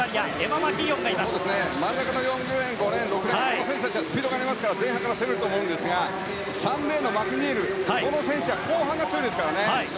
真ん中の選手たちはスピードがありますから前半から攻めると思いますが３レーンのマクニールは後半が強いですからね。